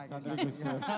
oh iya santri gus dur